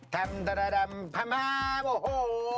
ธรรมดาธรรมดาธรรมดาโอ้โฮ